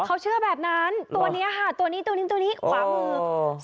เขาเชื่อแบบนั้นตัวเนี้ยค่ะตัวนี้ตัวนี้ตัวนี้ขวามือ